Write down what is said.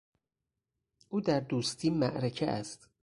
او در دوستی معرکه است.